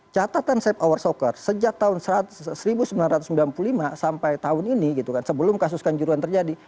catatan safe hour soccer sejak tahun seribu sembilan ratus sembilan puluh lima sampai tahun ini gitu kan sebelum kasus kanjuruan terjadi